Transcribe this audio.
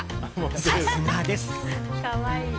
さすがです！